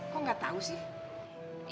kok gak tau sih